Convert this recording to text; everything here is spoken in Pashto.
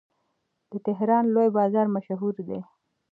د تهران لوی بازار مشهور دی.